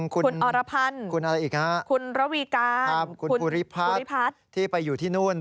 คุณอรพันธ์คุณระวีการคุณพุริพัฒน์ที่ไปอยู่ที่นู่น